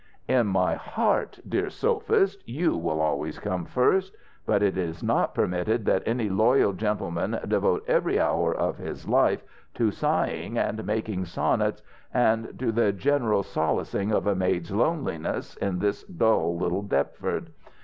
"In my heart, dear sophist, you will always come first. But it is not permitted that any loyal gentleman devote every hour of his life to sighing and making sonnets, and to the general solacing of a maid's loneliness in this dull little Deptford.